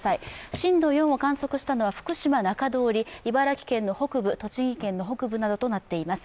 震度４を観測したのは福島仲通り、茨城県の北部、栃木県の北部などとなっています。